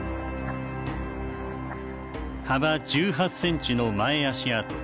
幅１８センチの前足跡。